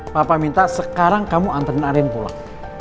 papa minta sekarang kamu anterin arin pulang